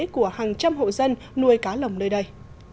của hàng trăm hộ dân nuôi cá lồng nơi đây